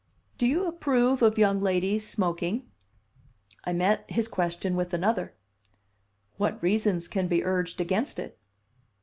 "Do you approve of young ladies smoking?" I met his question with another: "What reasons can be urged against it?"